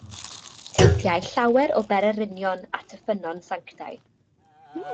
Teithiai llawer o bererinion at y ffynnon sanctaidd.